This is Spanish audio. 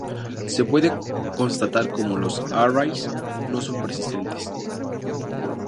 Se puede constatar cómo los "arrays" no son persistentes.